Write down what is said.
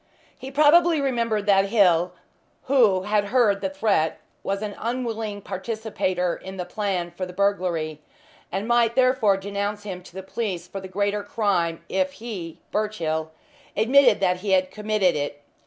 He probably remembered that Hill, who had heard the threat, was an unwilling participator in the plan for the burglary, and might therefore denounce him to the police for the greater crime if he (Birchill) admitted that he had committed it.